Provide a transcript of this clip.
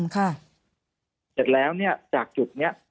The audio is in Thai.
เสร็จแล้วเนี่ยจากจุดนี้